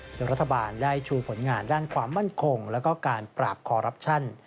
โดยรัฐบาลได้ชูผลงานด้านความมั่นคงแล้วก็การปราบคอรับชัน